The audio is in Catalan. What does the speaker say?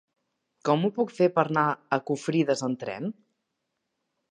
Com ho puc fer per anar a Confrides amb tren?